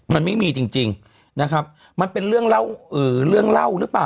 มันไม่มีจริงนะครับมันเป็นเรื่องเล่าหรือเปล่า